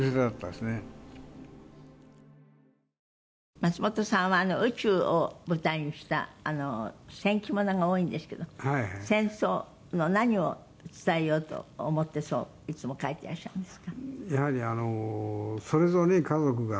松本さんは宇宙を舞台にした戦記物が多いですけど戦争の何を伝えようと思っていつも描いていらっしゃいますか。